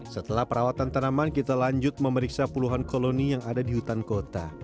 setelah perawatan tanaman kita lanjut memeriksa puluhan koloni yang ada di hutan kota